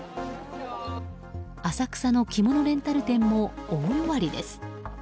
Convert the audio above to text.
浅草の着物レンタル店も大弱りです。